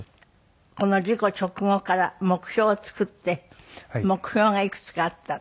この事故直後から目標を作って目標がいくつかあった。